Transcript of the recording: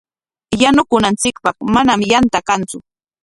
Yanukunanchikpaq manami yanta kantsu.